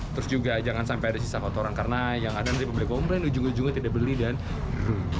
terus juga jangan sampai ada sisa kotoran karena yang ada nanti pembeli pembeli ngomongin ujung ujungnya tidak beli dan rugi